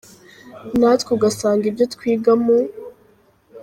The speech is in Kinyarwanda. natwe ugasanga ibyo twiga mu.